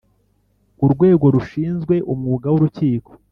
urwego rushinzwe umwuga w’urukiko